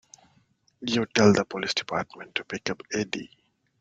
You tell the police department to pick up Eddie.